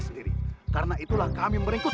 sendiri karena itulah kami merekrut